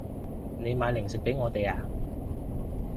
你買零食畀我哋啊